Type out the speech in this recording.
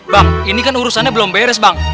bang ini kan urusannya belum beres bang